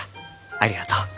ありがとう。